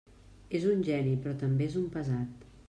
És un geni, però també és un pesat.